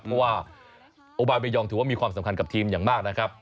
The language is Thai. เพราะว่าโอบายเบยองถือว่ามีความสำคัญกับทีมอย่างมากนะครับ